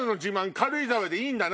軽井沢でいいんだな？